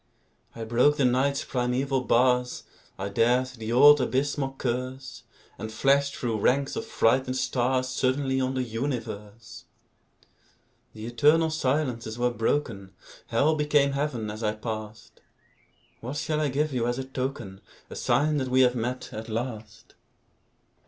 I broke the Night's primeval bars, I dared the old abysmal curse, And flashed through ranks of frightened stars Suddenly on the universe! The eternal silences were broken; Hell became Heaven as I passed. What shall I give you as a token, A sign that we have met, at last?